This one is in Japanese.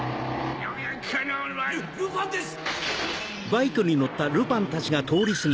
ルルパンです！